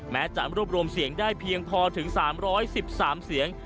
แม้จะรวบรวมเสียงได้เพียงพอถึง๓๑๓เสียง